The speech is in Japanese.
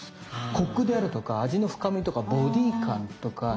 コクであるとか味の深みとかボディー感とかのどごしとか。